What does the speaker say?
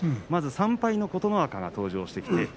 まず３敗の琴ノ若、登場します。